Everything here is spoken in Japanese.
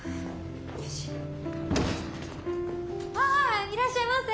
あいらっしゃいませ！